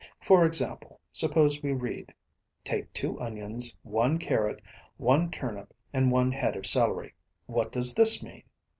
For instance, suppose we read, "Take two onions, one carrot, one turnip, and one head of celery," what does this mean?